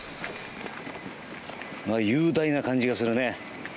雄大な感じがするね。